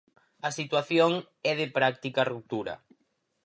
A situación é de práctica ruptura.